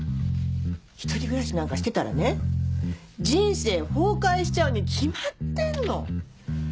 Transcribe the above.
１人暮らしなんかしてたらね人生崩壊しちゃうに決まってんの！